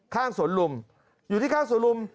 ข้างสวนลุมอยู่ที่ข้างสวนลุม